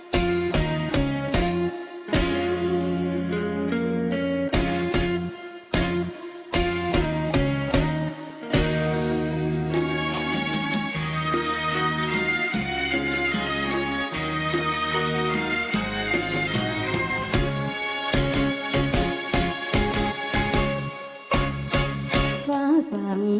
กลับบ้านแล้ว